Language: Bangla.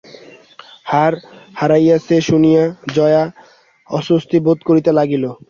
হার হারাইয়াছে শুনিয়া জয়া অস্বস্তিবোধ করিতে লাগিল।